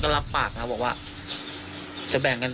เกิดในปาส